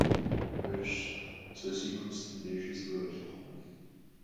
Пэжщ, сэ си гум сытым дежи зыгуэр къелъыхъуэ!